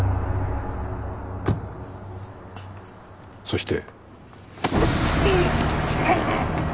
そして。